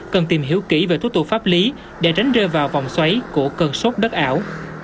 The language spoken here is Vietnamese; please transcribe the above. cần tìm hiểu kỹ về thúc tục pháp lý để ránh rơ vào vòng xoáy của cân sốt đất ảo